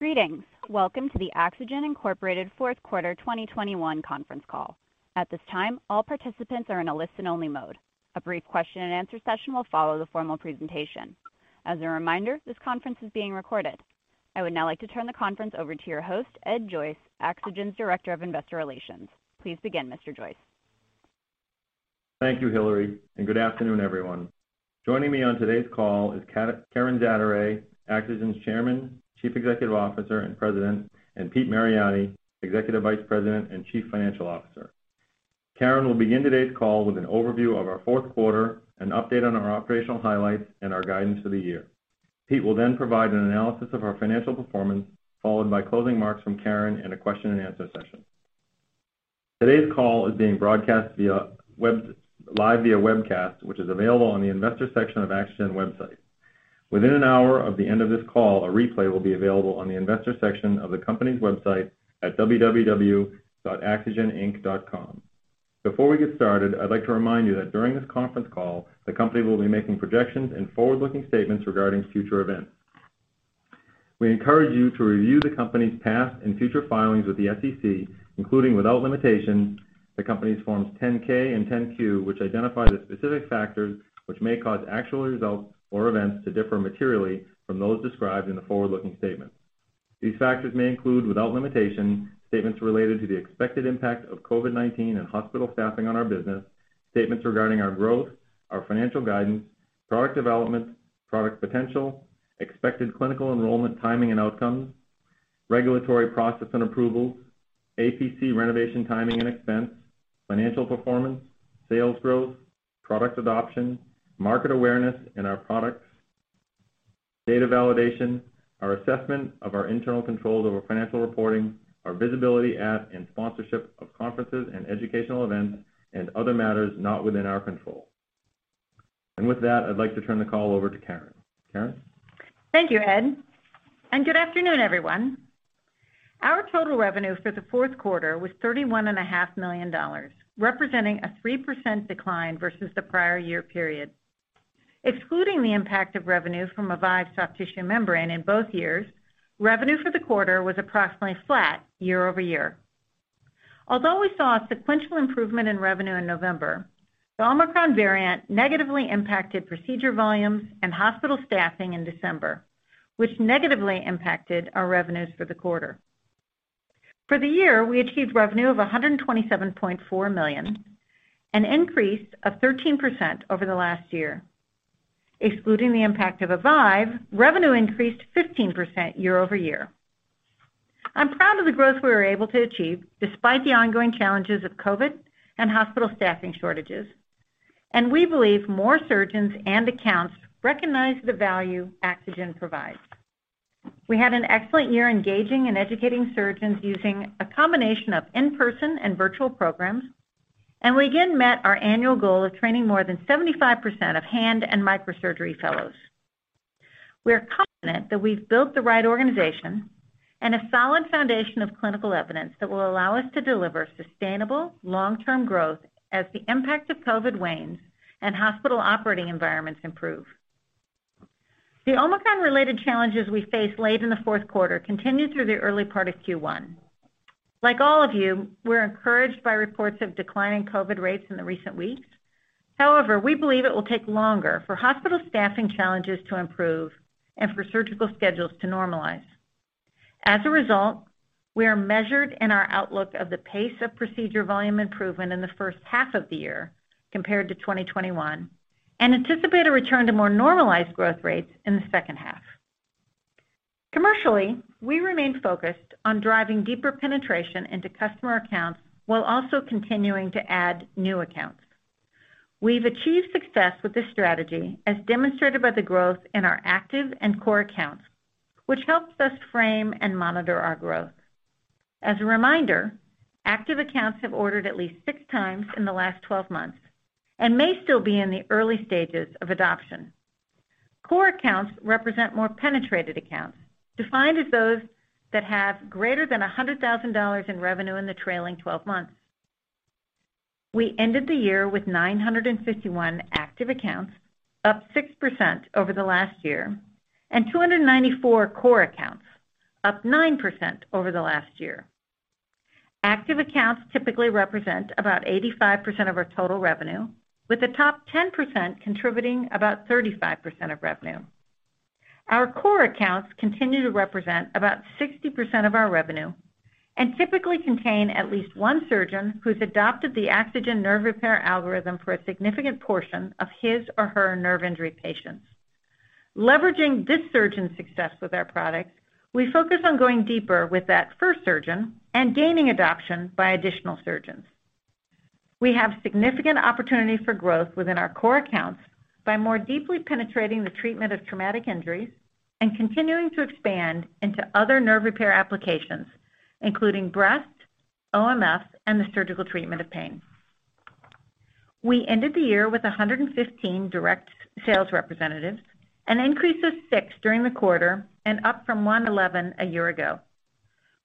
Greetings. Welcome to the AxoGen, Incorporated fourth quarter 2021 conference call. At this time, all participants are in a listen-only mode. A brief question-and-answer session will follow the formal presentation. As a reminder, this conference is being recorded. I would now like to turn the conference over to your host, Ed Joyce, AxoGen's Director of Investor Relations. Please begin, Mr. Joyce. Thank you, Hillary, and good afternoon, everyone. Joining me on today's call is Karen Zaderej, AxoGen's Chairman, Chief Executive Officer, and President, and Pete Mariotti, Executive Vice President and Chief Financial Officer. Karen will begin today's call with an overview of our fourth quarter, an update on our operational highlights, and our guidance for the year. Pete will then provide an analysis of our financial performance, followed by closing remarks from Karen and a question-and-answer session. Today's call is being broadcast live via webcast, which is available on the investor section of AxoGen website. Within an hour of the end of this call, a replay will be available on the investor section of the company's website at www.axogeninc.com. Before we get started, I'd like to remind you that during this conference call, the company will be making projections and forward-looking statements regarding future events. We encourage you to review the company's past and future filings with the SEC, including, without limitation, the company's Forms 10-K and 10-Q, which identify the specific factors which may cause actual results or events to differ materially from those described in the forward-looking statements. These factors may include, without limitation, statements related to the expected impact of COVID-19 and hospital staffing on our business, statements regarding our growth, our financial guidance, product development, product potential, expected clinical enrollment, timing and outcomes, regulatory process and approvals, APC renovation timing and expense, financial performance, sales growth, product adoption, market awareness in our products, data validation, our assessment of our internal controls over financial reporting, our visibility at and sponsorship of conferences and educational events, and other matters not within our control. With that, I'd like to turn the call over to Karen. Karen? Thank you, Ed, and good afternoon, everyone. Our total revenue for the fourth quarter was $31.5 million, representing a 3% decline versus the prior year period. Excluding the impact of revenue from Avive Soft Tissue Membrane in both years, revenue for the quarter was approximately flat year-over-year. Although we saw a sequential improvement in revenue in November, the Omicron variant negatively impacted procedure volumes and hospital staffing in December, which negatively impacted our revenues for the quarter. For the year, we achieved revenue of $127.4 million, an increase of 13% over the last year. Excluding the impact of Avive, revenue increased 15% year-over-year. I'm proud of the growth we were able to achieve despite the ongoing challenges of COVID and hospital staffing shortages, and we believe more surgeons and accounts recognize the value Axogen provides. We had an excellent year engaging and educating surgeons using a combination of in-person and virtual programs, and we again met our annual goal of training more than 75% of hand and microsurgery fellows. We are confident that we've built the right organization and a solid foundation of clinical evidence that will allow us to deliver sustainable long-term growth as the impact of COVID wanes and hospital operating environments improve. The Omicron-related challenges we faced late in the fourth quarter continued through the early part of Q1. Like all of you, we're encouraged by reports of declining COVID rates in the recent weeks. However, we believe it will take longer for hospital staffing challenges to improve and for surgical schedules to normalize. As a result, we are measured in our outlook of the pace of procedure volume improvement in the first half of the year compared to 2021 and anticipate a return to more normalized growth rates in the second half. Commercially, we remain focused on driving deeper penetration into customer accounts while also continuing to add new accounts. We've achieved success with this strategy, as demonstrated by the growth in our active and core accounts, which helps us frame and monitor our growth. As a reminder, active accounts have ordered at least six times in the last 12 months and may still be in the early stages of adoption. Core accounts represent more penetrated accounts, defined as those that have greater than $100,000 in revenue in the trailing 12 months. We ended the year with 951 active accounts, up 6% over the last year, and 294 core accounts, up 9% over the last year. Active accounts typically represent about 85% of our total revenue, with the top 10% contributing about 35% of revenue. Our core accounts continue to represent about 60% of our revenue and typically contain at least one surgeon who's adopted the AxoGen nerve repair algorithm for a significant portion of his or her nerve injury patients. Leveraging this surgeon's success with our products, we focus on going deeper with that first surgeon and gaining adoption by additional surgeons. We have significant opportunities for growth within our core accounts by more deeply penetrating the treatment of traumatic injuries and continuing to expand into other nerve repair applications, including breast, OMF, and the surgical treatment of pain. We ended the year with 115 direct sales representatives, an increase of six during the quarter and up from 111 a year ago.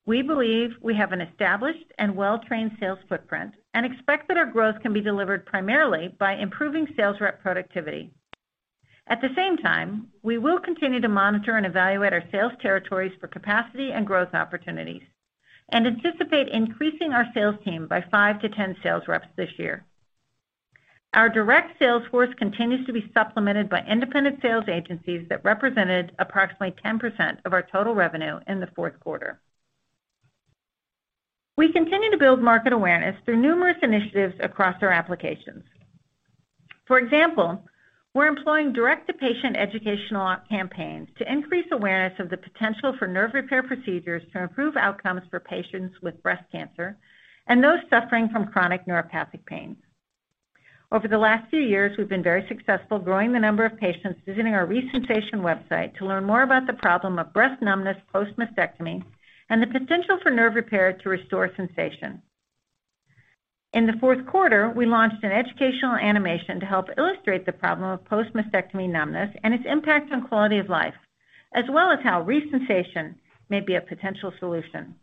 We believe we have an established and well-trained sales footprint and expect that our growth can be delivered primarily by improving sales rep productivity. At the same time, we will continue to monitor and evaluate our sales territories for capacity and growth opportunities and anticipate increasing our sales team by five to 10 sales reps this year. Our direct sales force continues to be supplemented by independent sales agencies that represented approximately 10% of our total revenue in the fourth quarter. We continue to build market awareness through numerous initiatives across our applications. For example, we're employing direct-to-patient educational campaigns to increase awareness of the potential for nerve repair procedures to improve outcomes for patients with breast cancer and those suffering from chronic neuropathic pain. Over the last few years, we've been very successful growing the number of patients visiting our Resensation website to learn more about the problem of breast numbness post-mastectomy and the potential for nerve repair to restore sensation. In the fourth quarter, we launched an educational animation to help illustrate the problem of post-mastectomy numbness and its impact on quality of life, as well as how Resensation may be a potential solution.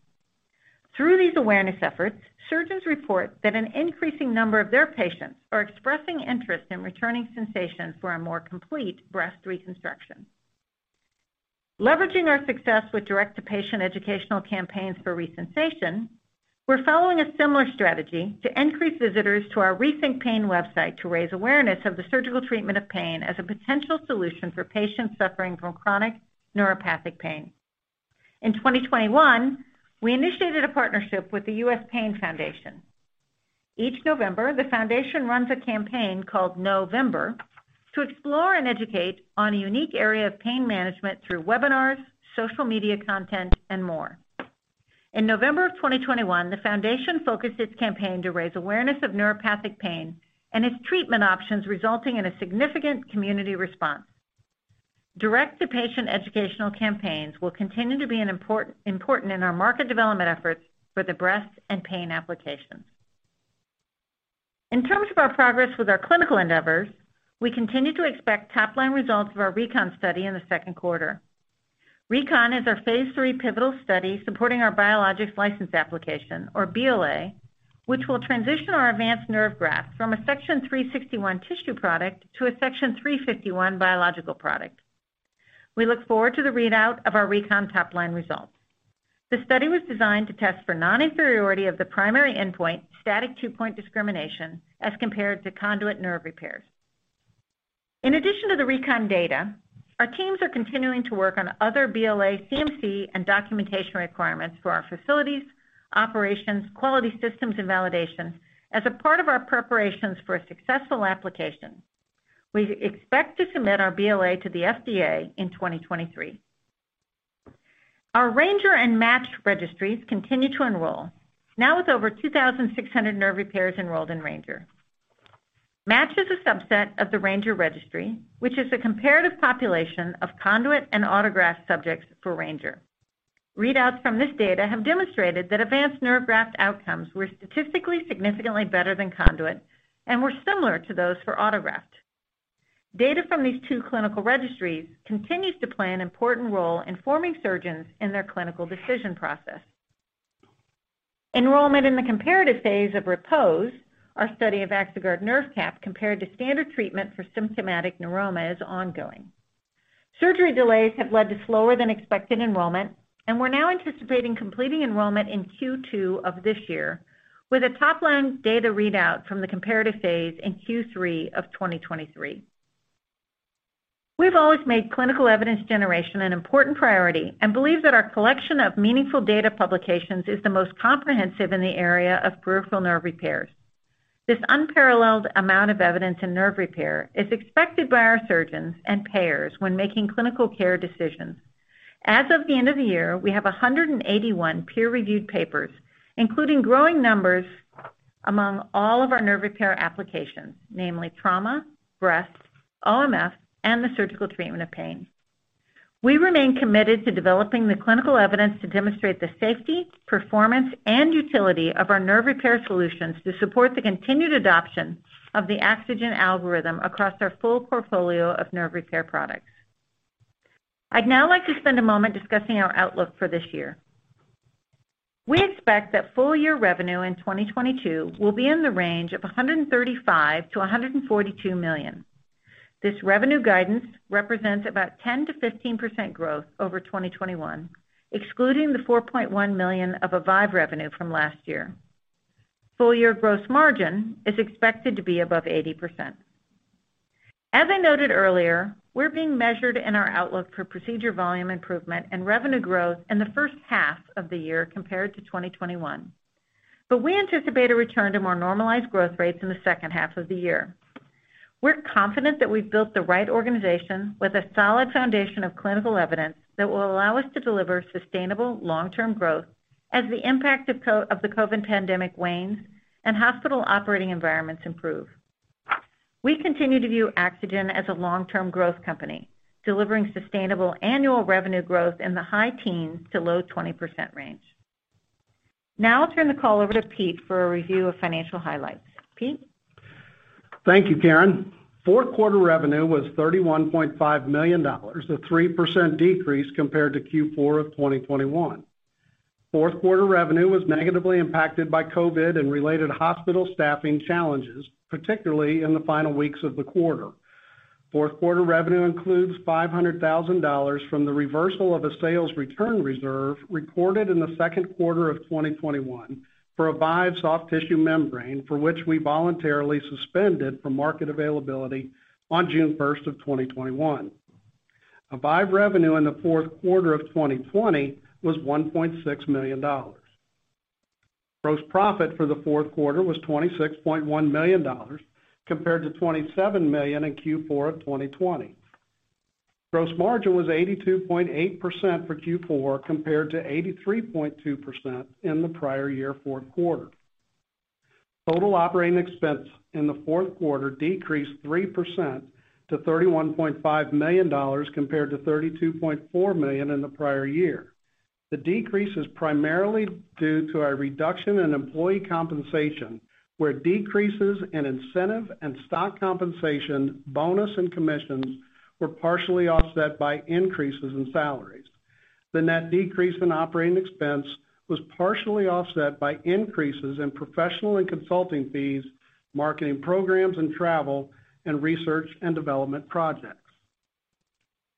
Through these awareness efforts, surgeons report that an increasing number of their patients are expressing interest in returning sensation for a more complete breast reconstruction. Leveraging our success with direct-to-patient educational campaigns for Resensation, we're following a similar strategy to increase visitors to our Rethink Pain website to raise awareness of the surgical treatment of pain as a potential solution for patients suffering from chronic neuropathic pain. In 2021, we initiated a partnership with the U.S. Pain Foundation. Each November, the foundation runs a campaign called KNOWvember to explore and educate on a unique area of pain management through webinars, social media content, and more. In November of 2021, the foundation focused its campaign to raise awareness of neuropathic pain and its treatment options, resulting in a significant community response. Direct-to-patient educational campaigns will continue to be an important in our market development efforts for the breast and pain applications. In terms of our progress with our clinical endeavors, we continue to expect top-line results of our RECON study in the second quarter. RECON is our phase III pivotal study supporting our Biologics License Application, or BLA, which will transition our advanced nerve graft from a Section 361 tissue product to a Section 351 biological product. We look forward to the readout of our RECON top-line results. The study was designed to test for non-inferiority of the primary endpoint, static two-point discrimination, as compared to conduit nerve repairs. In addition to the RECON data, our teams are continuing to work on other BLA CMC and documentation requirements for our facilities, operations, quality systems, and validations as a part of our preparations for a successful application. We expect to submit our BLA to the FDA in 2023. Our RANGER and MATCH registries continue to enroll, now with over 2,600 nerve repairs enrolled in RANGER. MATCH is a subset of the RANGER registry, which is a comparative population of conduit and autograft subjects for RANGER. Readouts from this data have demonstrated that advanced nerve graft outcomes were statistically significantly better than conduit and were similar to those for autograft. Data from these two clinical registries continues to play an important role informing surgeons in their clinical decision process. Enrollment in the comparative phase of REPOSE, our study of Axoguard Nerve Cap compared to standard treatment for symptomatic neuroma, is ongoing. Surgery delays have led to slower than expected enrollment, and we're now anticipating completing enrollment in Q2 of this year, with a top-line data readout from the comparative phase in Q3 of 2023. We've always made clinical evidence generation an important priority and believe that our collection of meaningful data publications is the most comprehensive in the area of peripheral nerve repairs. This unparalleled amount of evidence in nerve repair is expected by our surgeons and payers when making clinical care decisions. As of the end of the year, we have 181 peer-reviewed papers, including growing numbers among all of our nerve repair applications, namely trauma, breast, OMF, and the surgical treatment of pain. We remain committed to developing the clinical evidence to demonstrate the safety, performance, and utility of our nerve repair solutions to support the continued adoption of the AxoGen algorithm across our full portfolio of nerve repair products. I'd now like to spend a moment discussing our outlook for this year. We expect that full year revenue in 2022 will be in the range of $135 million-$142 million. This revenue guidance represents about 10%-15% growth over 2021, excluding the $4.1 million of Avive revenue from last year. Full year gross margin is expected to be above 80%. As I noted earlier, we're being measured in our outlook for procedure volume improvement and revenue growth in the first half of the year compared to 2021. We anticipate a return to more normalized growth rates in the second half of the year. We're confident that we've built the right organization with a solid foundation of clinical evidence that will allow us to deliver sustainable long-term growth as the impact of the COVID pandemic wanes and hospital operating environments improve. We continue to view Axogen as a long-term growth company, delivering sustainable annual revenue growth in the high teens to low 20% range. Now I'll turn the call over to Pete for a review of financial highlights. Pete? Thank you, Karen. Fourth quarter revenue was $31.5 million, a 3% decrease compared to Q4 of 2021. Fourth quarter revenue was negatively impacted by COVID and related hospital staffing challenges, particularly in the final weeks of the quarter. Fourth quarter revenue includes $500,000 from the reversal of a sales return reserve reported in the second quarter of 2021 for an Avive soft tissue membrane, for which we voluntarily suspended from market availability on June 1st of 2021. Avive revenue in the fourth quarter of 2020 was $1.6 million. Gross profit for the fourth quarter was $26.1 million compared to $27 million in Q4 of 2020. Gross margin was 82.8% for Q4 compared to 83.2% in the prior year fourth quarter. Total operating expense in the fourth quarter decreased 3% to $31.5 million compared to $32.4 million in the prior year. The decrease is primarily due to a reduction in employee compensation, where decreases in incentive and stock compensation, bonus and commissions were partially offset by increases in salaries. The net decrease in operating expense was partially offset by increases in professional and consulting fees, marketing programs and travel, and research and development projects.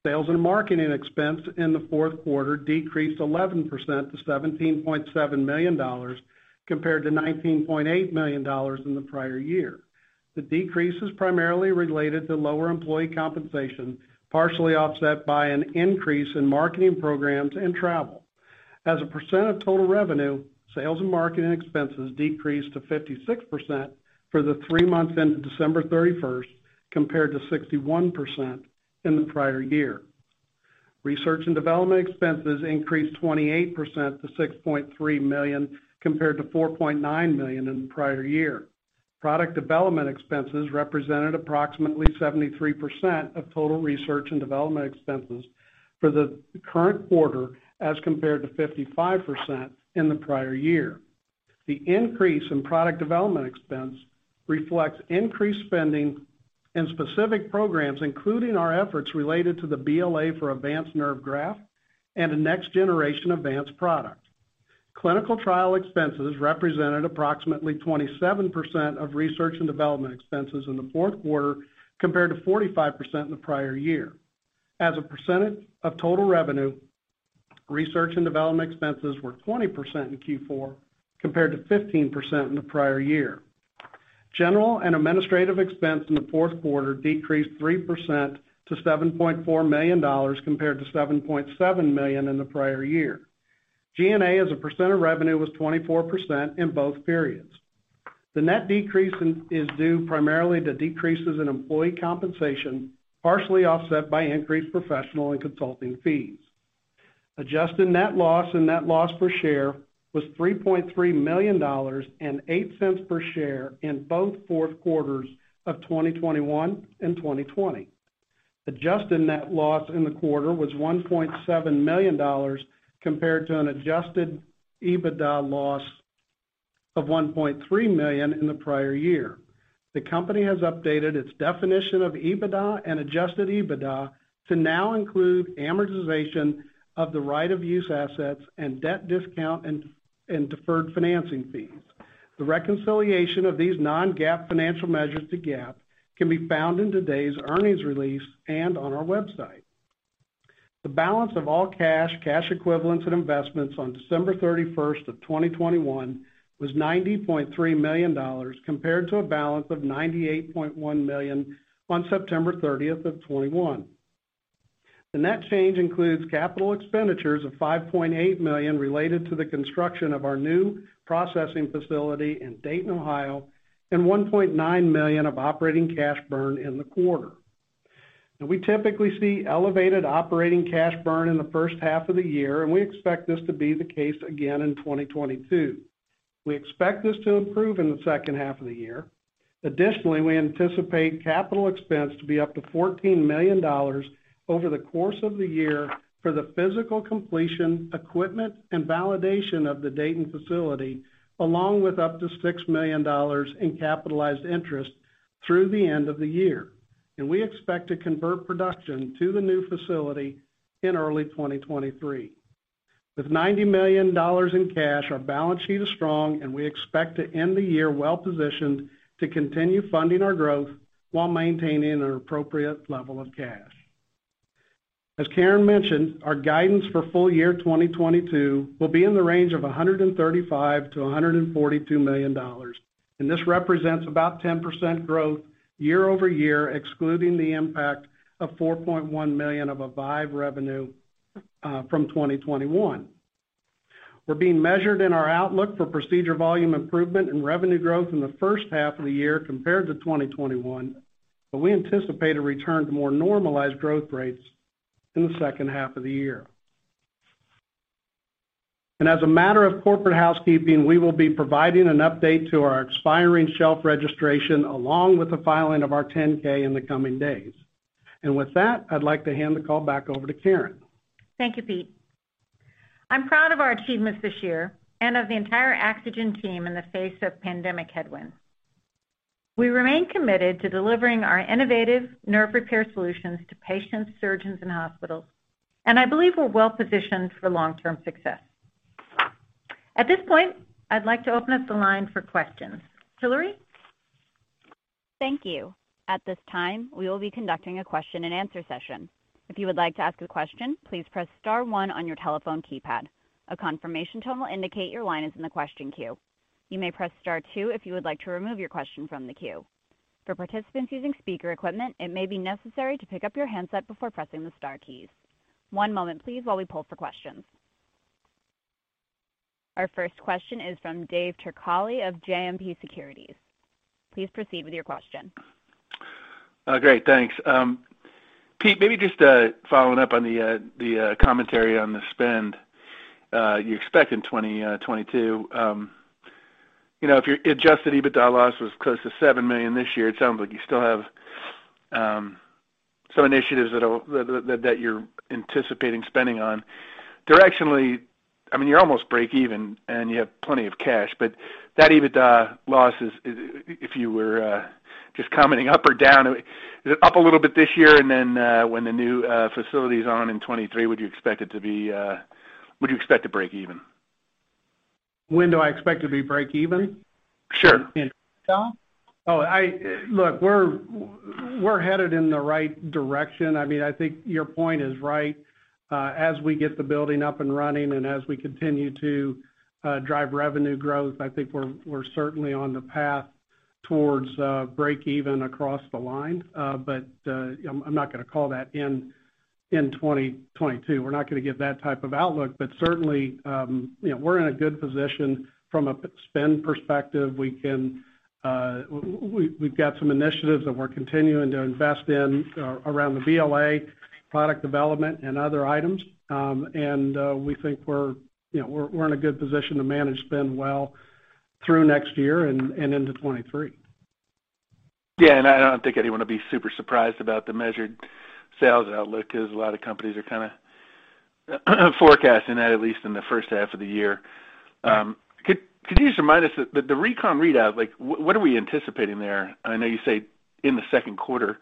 Sales and marketing expense in the fourth quarter decreased 11% to $17.7 million compared to $19.8 million in the prior year. The decrease is primarily related to lower employee compensation, partially offset by an increase in marketing programs and travel. As a percent of total revenue, sales and marketing expenses decreased to 56% for the three months ended December 31st, compared to 61% in the prior year. Research and development expenses increased 28% to $6.3 million, compared to $4.9 million in the prior year. Product development expenses represented approximately 73% of total research and development expenses for the current quarter as compared to 55% in the prior year. The increase in product development expense reflects increased spending in specific programs, including our efforts related to the BLA for Avance Nerve Graft and a next generation advanced product. Clinical trial expenses represented approximately 27% of research and development expenses in the fourth quarter, compared to 45% in the prior year. As a percentage of total revenue, research and development expenses were 20% in Q4 compared to 15% in the prior year. General and administrative expense in the fourth quarter decreased 3% to $7.4 million compared to $7.7 million in the prior year. G&A as a percent of revenue was 24% in both periods. The net decrease is due primarily to decreases in employee compensation, partially offset by increased professional and consulting fees. Adjusted net loss and net loss per share was $3.3 million and $0.08 per share in both fourth quarters of 2021 and 2020. Adjusted net loss in the quarter was $1.7 million compared to an adjusted EBITDA loss of $1.3 million in the prior year. The company has updated its definition of EBITDA and adjusted EBITDA to now include amortization of the right-of-use assets and debt discount and deferred financing fees. The reconciliation of these non-GAAP financial measures to GAAP can be found in today's earnings release and on our website. The balance of all cash equivalents and investments on December 31st, 2021 was $90.3 million compared to a balance of $98.1 million on September 30th, 2021. The net change includes capital expenditures of $5.8 million related to the construction of our new processing facility in Dayton, Ohio, and $1.9 million of operating cash burn in the quarter. We typically see elevated operating cash burn in the first half of the year, and we expect this to be the case again in 2022. We expect this to improve in the second half of the year. Additionally, we anticipate capital expense to be up to $14 million over the course of the year for the physical completion, equipment and validation of the Dayton facility, along with up to $6 million in capitalized interest through the end of the year. We expect to convert production to the new facility in early 2023. With $90 million in cash, our balance sheet is strong and we expect to end the year well-positioned to continue funding our growth while maintaining an appropriate level of cash. As Karen mentioned, our guidance for full year 2022 will be in the range of $135 million-$142 million. This represents about 10% growth year-over-year, excluding the impact of $4.1 million of Avive revenue from 2021. We're being measured in our outlook for procedure volume improvement and revenue growth in the first half of the year compared to 2021, but we anticipate a return to more normalized growth rates in the second half of the year. As a matter of corporate housekeeping, we will be providing an update to our expiring shelf registration along with the filing of our 10-K in the coming days. With that, I'd like to hand the call back over to Karen. Thank you, Pete. I'm proud of our achievements this year and of the entire AxoGen team in the face of pandemic headwinds. We remain committed to delivering our innovative nerve repair solutions to patients, surgeons, and hospitals, and I believe we're well-positioned for long-term success. At this point, I'd like to open up the line for questions. Hillary? Thank you. At this time, we will be conducting a question and answer session. If you would like to ask a question, please press star one on your telephone keypad. A confirmation tone will indicate your line is in the question queue. You may press star two if you would like to remove your question from the queue. For participants using speaker equipment, it may be necessary to pick up your handset before pressing the star keys. One moment please while we poll for questions. Our first question is from Dave Turkaly of JMP Securities. Please proceed with your question. Great, thanks. Pete, maybe just following up on the commentary on the spend you expect in 2022. You know, if your adjusted EBITDA loss was close to $7 million this year, it sounds like you still have some initiatives that you're anticipating spending on. Directionally, I mean, you're almost break even, and you have plenty of cash, but that EBITDA loss is if you were just commenting up or down. Is it up a little bit this year, and then, when the new facility is on in 2023, would you expect it to be. Would you expect to break even? When do I expect to break even? Sure. In total? Look, we're headed in the right direction. I mean, I think your point is right. As we get the building up and running, and as we continue to drive revenue growth, I think we're certainly on the path towards break even across the line. I'm not gonna call that in 2022. We're not gonna give that type of outlook. Certainly, you know, we're in a good position from a spend perspective. We've got some initiatives that we're continuing to invest in around the BLA product development and other items. We think, you know, we're in a good position to manage spend well through next year and into 2023. Yeah, I don't think anyone would be super surprised about the measured sales outlook, as a lot of companies are kinda forecasting that, at least in the first half of the year. Could you just remind us the RECON readout, like, what are we anticipating there? I know you said in the second quarter.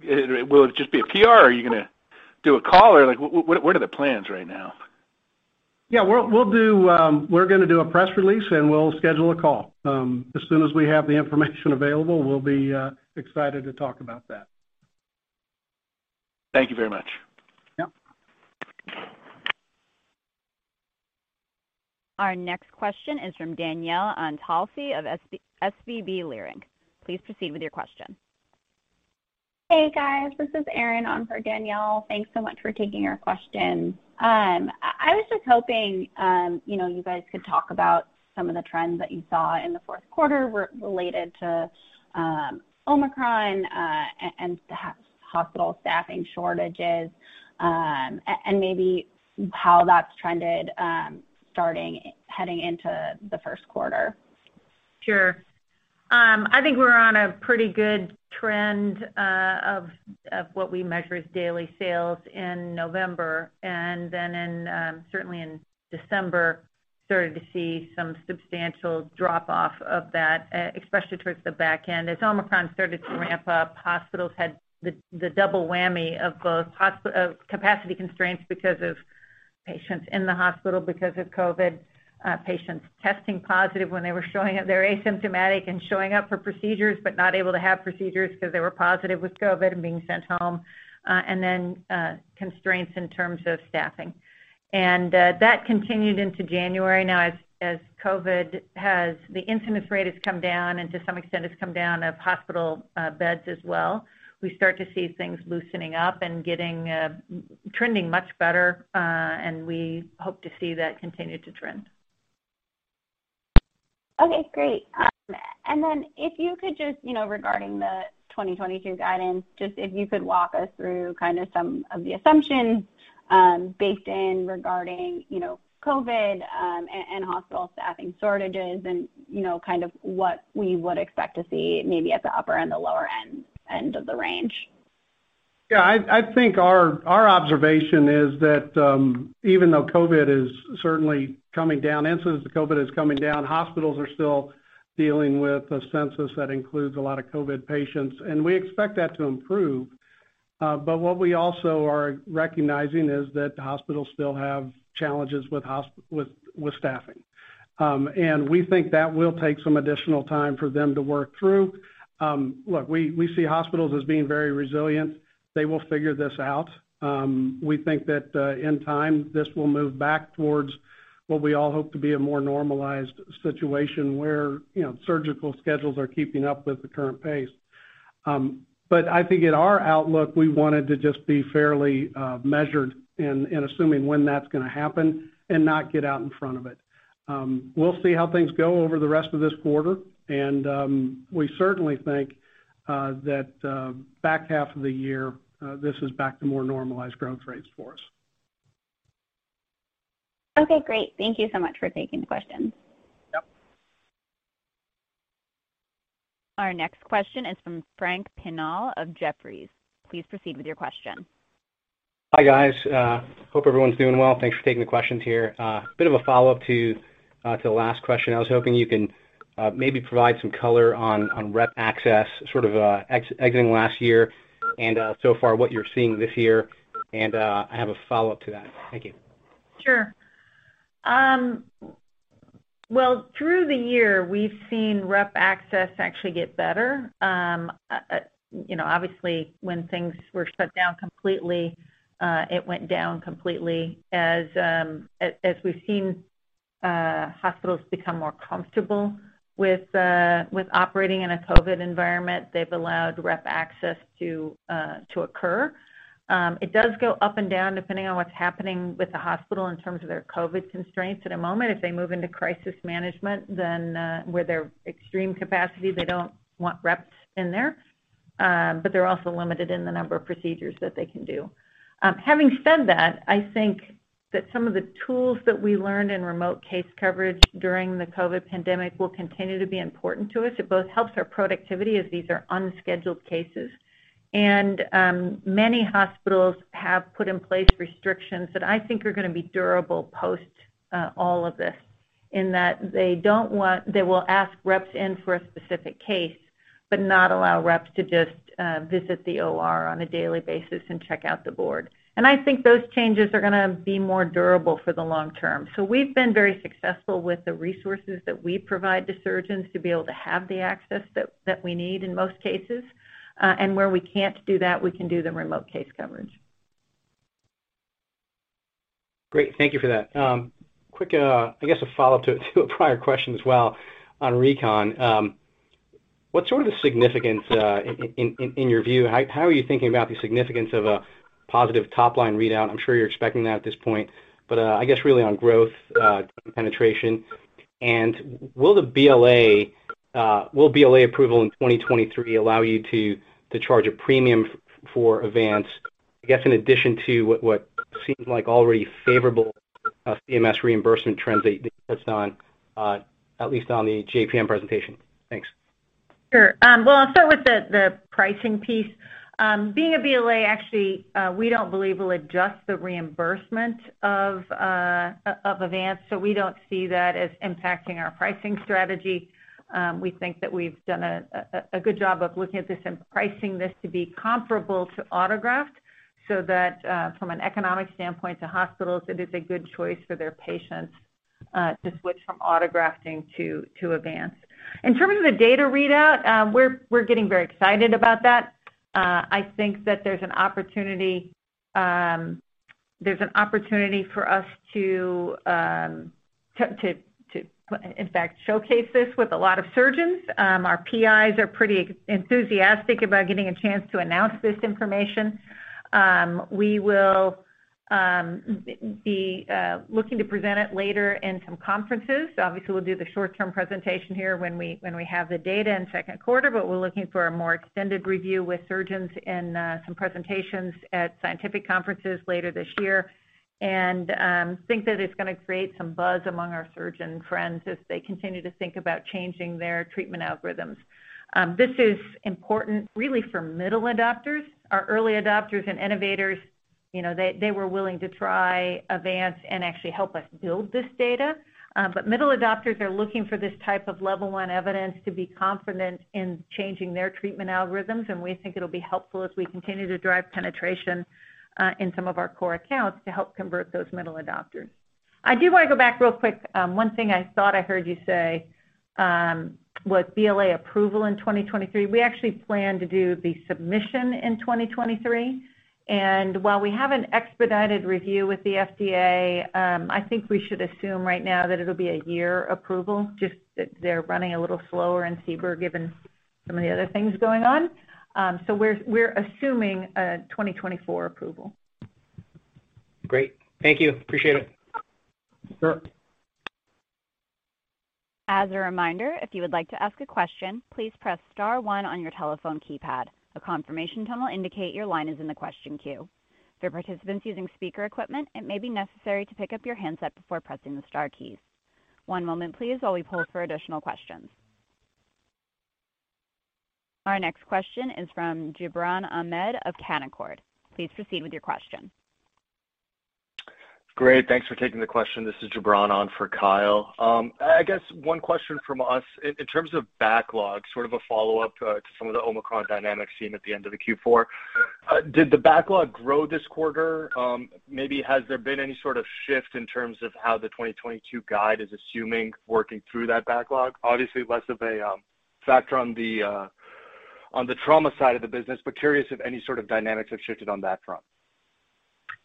Will it just be a PR or are you gonna do a call? Or like, what are the plans right now? Yeah, we'll do a press release, and we'll schedule a call. As soon as we have the information available, we'll be excited to talk about that. Thank you very much. Yep. Our next question is from Danielle Antalffy of SVB Leerink. Please proceed with your question. Hey, guys. This is Erin on for Danielle. Thanks so much for taking our question. I was just hoping, you know, you guys could talk about some of the trends that you saw in the fourth quarter related to Omicron, and hospital staffing shortages, and maybe how that's trended, heading into the first quarter. Sure. I think we're on a pretty good trend of what we measure as daily sales in November. Then, certainly in December, started to see some substantial drop-off of that, especially towards the back end. As Omicron started to ramp up, hospitals had the double whammy of both of capacity constraints because of patients in the hospital because of COVID, patients testing positive when they were showing up. They were asymptomatic and showing up for procedures, but not able to have procedures because they were positive with COVID and being sent home. Then constraints in terms of staffing. That continued into January. The incidence rate has come down and to some extent it's come down in hospital beds as well, we start to see things loosening up and getting trending much better. We hope to see that continue to trend. Okay, great. If you could just, you know, regarding the 2022 guidance, just if you could walk us through kinda some of the assumptions baked in regarding, you know, COVID, and hospital staffing shortages and, you know, kind of what we would expect to see maybe at the upper and the lower end of the range? Yeah. I think our observation is that, even though COVID is certainly coming down, incidents of COVID is coming down, hospitals are still dealing with a census that includes a lot of COVID patients, and we expect that to improve. What we also are recognizing is that the hospitals still have challenges with staffing. We think that will take some additional time for them to work through. Look, we see hospitals as being very resilient. They will figure this out. We think that, in time, this will move back towards what we all hope to be a more normalized situation, where, you know, surgical schedules are keeping up with the current pace. I think in our outlook, we wanted to just be fairly measured in assuming when that's gonna happen and not get out in front of it. We'll see how things go over the rest of this quarter. We certainly think that back half of the year this is back to more normalized growth rates for us. Okay, great. Thank you so much for taking the question. Our next question is from Frank Pinal of Jefferies. Please proceed with your question. Hi, guys. Hope everyone's doing well. Thanks for taking the questions here. Bit of a follow-up to the last question. I was hoping you can maybe provide some color on rep access, sort of exiting last year and so far what you're seeing this year, and I have a follow-up to that. Thank you. Sure. Well, through the year, we've seen rep access actually get better. You know, obviously, when things were shut down completely, it went down completely. As we've seen, hospitals become more comfortable with operating in a COVID environment, they've allowed rep access to occur. It does go up and down depending on what's happening with the hospital in terms of their COVID constraints at a moment. If they move into crisis management, then where they're extreme capacity, they don't want reps in there, but they're also limited in the number of procedures that they can do. Having said that, I think that some of the tools that we learned in remote case coverage during the COVID pandemic will continue to be important to us. It both helps our productivity as these are unscheduled cases. Many hospitals have put in place restrictions that I think are gonna be durable post all of this, in that they will ask reps in for a specific case, but not allow reps to just visit the OR on a daily basis and check out the board. I think those changes are gonna be more durable for the long term. We've been very successful with the resources that we provide to surgeons to be able to have the access that we need in most cases. Where we can't do that, we can do the remote case coverage. Great. Thank you for that. Quick, I guess a follow-up to a prior question as well on RECON. What's sort of the significance in your view, how are you thinking about the significance of a positive top-line readout? I'm sure you're expecting that at this point, but I guess really on growth penetration. Will the BLA approval in 2023 allow you to charge a premium for Avance, I guess, in addition to what seems like already favorable CMS reimbursement trends that you focused on, at least on the JPM presentation? Thanks. Sure. Well, I'll start with the pricing piece. Being a BLA, actually, we don't believe will adjust the reimbursement of Avance, so we don't see that as impacting our pricing strategy. We think that we've done a good job of looking at this and pricing this to be comparable to autograft, so that from an economic standpoint to hospitals, it is a good choice for their patients to switch from autografting to Avance. In terms of the data readout, we're getting very excited about that. I think that there's an opportunity for us to in fact showcase this with a lot of surgeons. Our PIs are pretty enthusiastic about getting a chance to announce this information. We will be looking to present it later in some conferences. Obviously we'll do the short-term presentation here when we have the data in second quarter, but we're looking for a more extended review with surgeons in some presentations at scientific conferences later this year. We think that it's gonna create some buzz among our surgeon friends as they continue to think about changing their treatment algorithms. This is important really for middle adopters. Our early adopters and innovators, you know, they were willing to try Avance and actually help us build this data. But middle adopters are looking for this type of level one evidence to be confident in changing their treatment algorithms, and we think it'll be helpful as we continue to drive penetration in some of our core accounts to help convert those middle adopters. I do wanna go back real quick. One thing I thought I heard you say was BLA approval in 2023. We actually plan to do the submission in 2023. While we have an expedited review with the FDA, I think we should assume right now that it'll be a year approval, just that they're running a little slower in CBER, given some of the other things going on. We're assuming a 2024 approval. Great. Thank you. Appreciate it. Sure. Our next question is from Gibran Ahmed of Canaccord. Please proceed with your question. Great. Thanks for taking the question. This is Gibran on for Kyle. I guess one question from us in terms of backlog, sort of a follow-up to some of the Omicron dynamics seen at the end of the Q4. Did the backlog grow this quarter? Maybe has there been any sort of shift in terms of how the 2022 guide is assuming working through that backlog? Obviously, less of a factor on the trauma side of the business, but curious if any sort of dynamics have shifted on that front.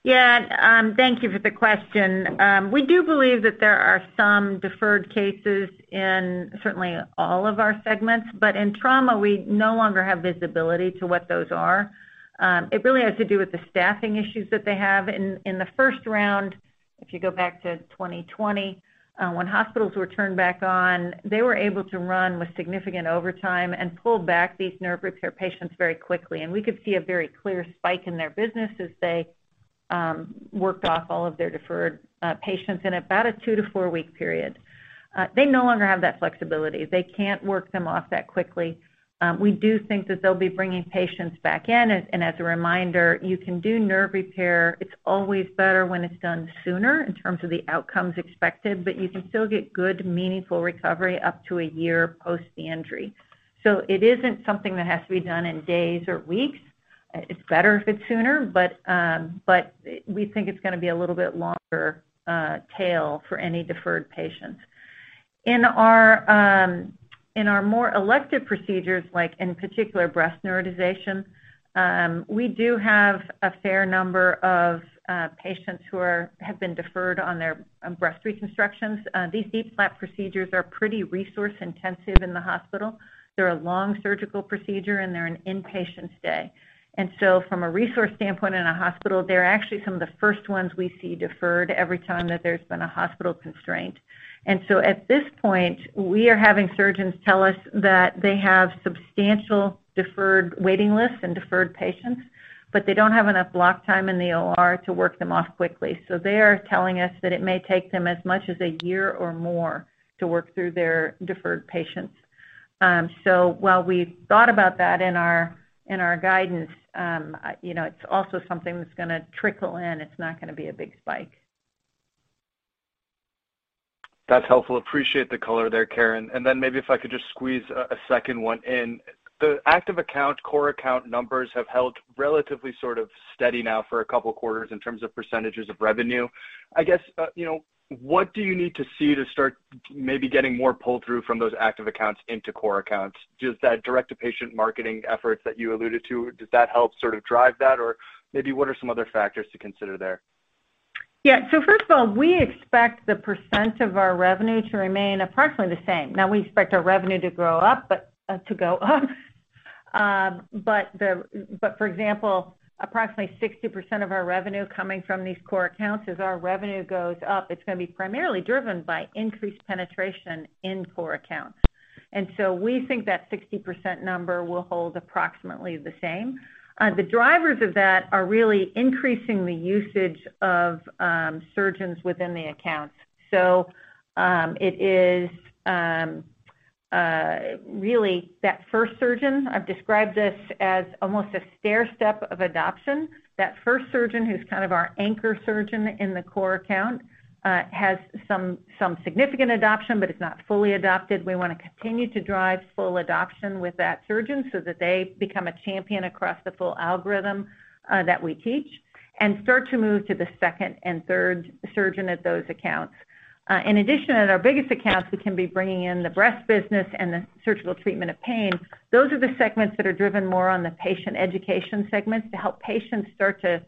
Yeah. Thank you for the question. We do believe that there are some deferred cases in certainly all of our segments, but in trauma, we no longer have visibility to what those are. It really has to do with the staffing issues that they have. In the first round, if you go back to 2020, when hospitals were turned back on, they were able to run with significant overtime and pull back these nerve repair patients very quickly. We could see a very clear spike in their business as they worked off all of their deferred patients in about a two- to four-week period. They no longer have that flexibility. They can't work them off that quickly. We do think that they'll be bringing patients back in, and as a reminder, you can do nerve repair. It's always better when it's done sooner in terms of the outcomes expected, but you can still get good, meaningful recovery up to a year post the injury. It isn't something that has to be done in days or weeks. It's better if it's sooner, but we think it's gonna be a little bit longer tail for any deferred patients. In our more elective procedures, like in particular breast neurotization, we do have a fair number of patients who have been deferred on their breast reconstructions. These DIEP flap procedures are pretty resource-intensive in the hospital. They're a long surgical procedure, and they're an inpatient stay. From a resource standpoint in a hospital, they're actually some of the first ones we see deferred every time that there's been a hospital constraint. At this point, we are having surgeons tell us that they have substantial deferred waiting lists and deferred patients, but they don't have enough block time in the OR to work them off quickly. They are telling us that it may take them as much as a year or more to work through their deferred patients. While we've thought about that in our guidance, you know, it's also something that's gonna trickle in. It's not gonna be a big spike. That's helpful. Appreciate the color there, Karen. Then maybe if I could just squeeze a second one in. The active account, core account numbers have held relatively sort of steady now for a couple quarters in terms of percentages of revenue. I guess, you know, what do you need to see to start maybe getting more pull-through from those active accounts into core accounts? Does that direct-to-patient marketing efforts that you alluded to, does that help sort of drive that? Or maybe what are some other factors to consider there? Yeah. First of all, we expect the percent of our revenue to remain approximately the same. Now we expect our revenue to go up. For example, approximately 60% of our revenue coming from these core accounts, as our revenue goes up, it's gonna be primarily driven by increased penetration in core accounts. We think that 60% number will hold approximately the same. The drivers of that are really increasing the usage of surgeons within the accounts. It is really that first surgeon. I've described this as almost a stairstep of adoption. That first surgeon who's kind of our anchor surgeon in the core account has some significant adoption but is not fully adopted. We wanna continue to drive full adoption with that surgeon so that they become a champion across the full algorithm that we teach and start to move to the second and third surgeon at those accounts. In addition, at our biggest accounts, we can be bringing in the breast business and the surgical treatment of pain. Those are the segments that are driven more on the patient education segments to help patients start to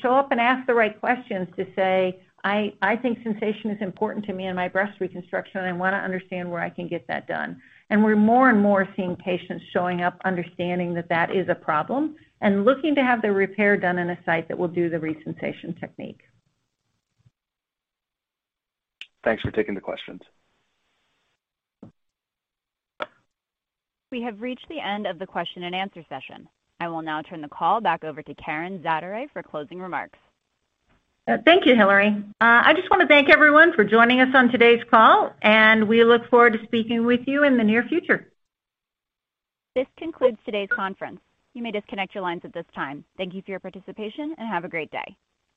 show up and ask the right questions to say, "I think sensation is important to me in my breast reconstruction, and I wanna understand where I can get that done." We're more and more seeing patients showing up understanding that that is a problem and looking to have the repair done in a site that will do the Resensation technique. Thanks for taking the questions. We have reached the end of the question-and-answer session. I will now turn the call back over to Karen Zaderej for closing remarks. Thank you, Hillary. I just wanna thank everyone for joining us on today's call, and we look forward to speaking with you in the near future. This concludes today's conference. You may disconnect your lines at this time. Thank you for your participation and have a great day.